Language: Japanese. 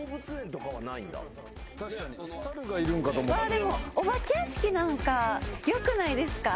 でもお化け屋敷なんかよくないですか？